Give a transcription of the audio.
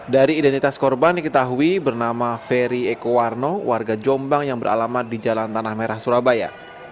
dari identitas korban diketahui bernama ferry eko warno warga jombang yang beralamat di jalan tanah merah surabaya